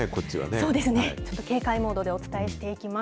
そうですね、ちょっと警戒モードでお伝えしていきます。